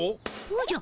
おじゃ？